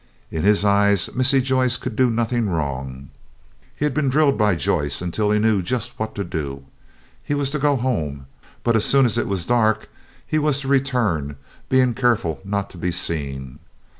In his eyes Missy Joyce could do nothing wrong. He had been drilled by Joyce until he knew just what to do. He was to go home, but as soon as it was dark, he was to return, being careful not to be seen.